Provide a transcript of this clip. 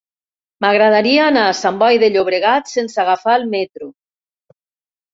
M'agradaria anar a Sant Boi de Llobregat sense agafar el metro.